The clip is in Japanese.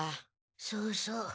そうそう。